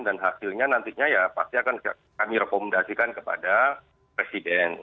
dan hasilnya nantinya ya pasti akan kami rekomendasikan kepada presiden